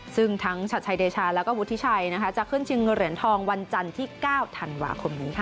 ซึ่งทั้งชัดชัยเดชาแล้วก็วุฒิชัยจะขึ้นชิงเหรียญทองวันจันทร์ที่๙ธันวาคมนี้ค่ะ